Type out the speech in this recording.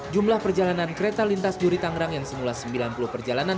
jumlah perjalanan kereta lintas duri tangerang yang semula sembilan puluh perjalanan